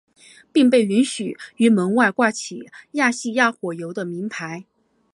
并被允许于门外挂起亚细亚火油的铭牌。